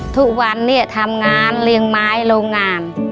ทุกวันเนี่ยทำงานเลี้ยงไม้โรงงาน